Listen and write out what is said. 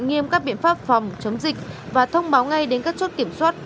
nghiêm các biện pháp phòng chống dịch và thông báo ngay đến các chốt kiểm soát